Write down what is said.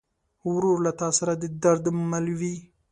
ورور له تا سره د درد مل وي.